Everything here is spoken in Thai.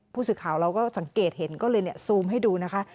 ผู้สื่อข่าวเราก็สังเกตเห็นก็เลยซูมให้ดูนะคะ